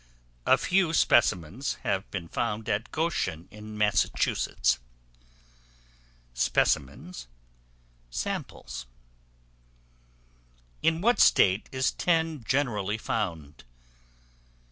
A few specimens have been found at Goshen, in Massachusetts. Specimens, samples. In what state is Tin generally found?